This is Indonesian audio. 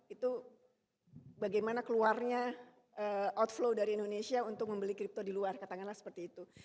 itu bagaimana keluarnya outflow dari indonesia untuk membeli kripto di luar katakanlah seperti itu